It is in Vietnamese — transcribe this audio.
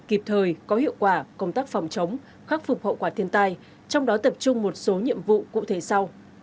kịp thời có hiệu quả công tác phòng chống khắc phục hậu quả thiên tai trong đó tập trung một số nhiệm vụ cụ thể sau